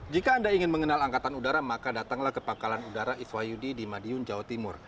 jika anda ingin mengenal angkatan udara maka datanglah ke pangkalan udara iswayudi di madiun jawa timur